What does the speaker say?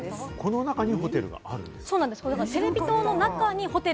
この中にホテルがあるんですか？